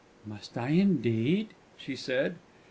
"Must I, indeed?" she said.